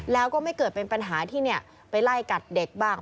แล้วก็ไม่เกิดเป็นปัญหาที่ไปไล่กัดเด็กบ้าง